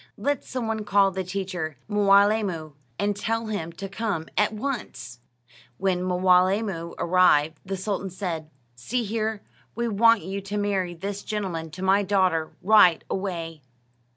Let some one call the teacher, Mwaalee'moo, and tell him to come at once." When Mwaaleemoo arrived, the sultan said, "See here, we want you to marry this gentleman to my daughter right away."